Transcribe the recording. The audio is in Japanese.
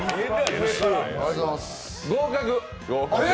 合格！